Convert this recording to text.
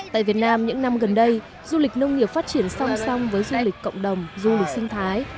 tại việt nam những năm gần đây du lịch nông nghiệp phát triển song song với du lịch cộng đồng du lịch sinh thái